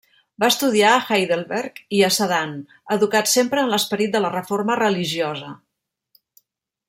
Va estudiar a Heidelberg i a Sedan, educat sempre en l'esperit de la reforma religiosa.